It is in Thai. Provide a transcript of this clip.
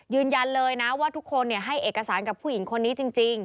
ยืนยันเลยนะว่าทุกคนให้เอกสารกับผู้หญิงคนนี้จริง